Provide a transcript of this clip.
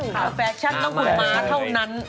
เราแฟชั่นต้องคุณม้าเท่านั้น